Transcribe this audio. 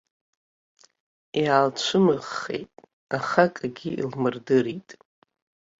Иаалцәымыӷхеит, аха акагьы илмырдырит.